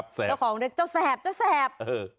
เจ้าของเรียกเจ้าแสบ